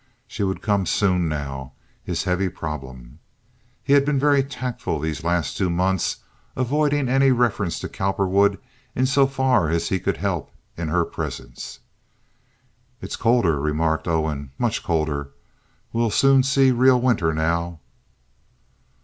She would come soon now—his heavy problem. He had been very tactful these last two months—avoiding any reference to Cowperwood in so far as he could help in her presence. "It's colder," remarked Owen, "much colder. We'll soon see real winter now."